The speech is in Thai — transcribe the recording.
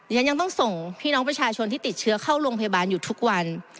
ฉันยังต้องส่งพี่น้องประชาชนที่ติดเชื้อเข้าโรงพยาบาลอยู่ทุกวัน